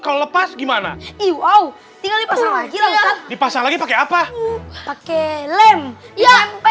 kalau lepas gimana iwow tinggal dipasang lagi dipasang lagi pakai apa pakai lem ya